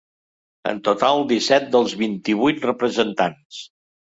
En total, disset dels vint-i-vuit representants.